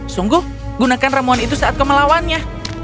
sungguh gunakan ramuan itu saat kau melawannya